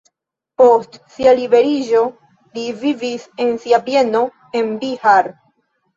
Post sia liberiĝo li vivis en sia bieno en Bihar.